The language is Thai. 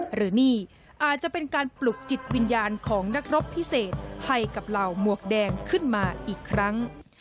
หรือนี่อาจจะเป็นการปลุกจิตวิญญาณของนักรบพิเศษให้กับเหล่าหมวกแดงขึ้นมาอีกครั้ง